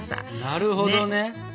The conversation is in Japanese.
なるほどね。